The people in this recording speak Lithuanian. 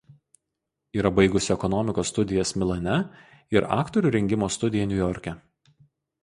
Yra baigusi ekonomikos studijas Milane ir aktorių rengimo studiją Niujorke.